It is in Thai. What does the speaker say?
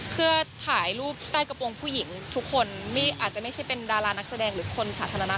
เพื่อถ่ายรูปใต้กระโปรงผู้หญิงทุกคนไม่อาจจะไม่ใช่เป็นดารานักแสดงหรือคนสาธารณะ